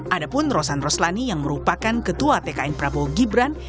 ada pun rosan roslani yang merupakan ketua tkn prabowo gibran